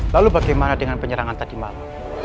lalu bagaimana dengan penyerangan tadi malam